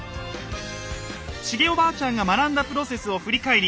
シゲおばあちゃんが学んだプロセスを振り返り